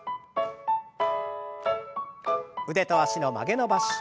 腕と脚の曲げ伸ばし。